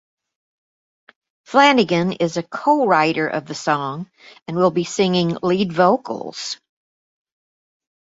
Flanagan is a co-writer of the song, and will be singing lead vocals.